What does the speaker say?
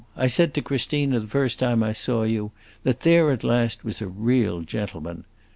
I said to Christina the first time I saw you that there at last was a real gentleman.